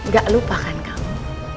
gak lupakan kamu